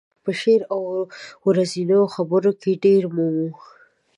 په شعر او ورځنیو خبرو کې یې ډېر مومو.